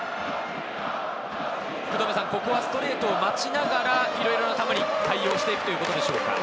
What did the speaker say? ここはストレートを待ちながら、いろいろな球に対応していくということでしょうか？